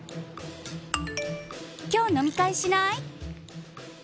今日飲み会しない？